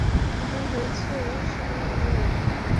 এবার হয়েছে, শালা আবাল!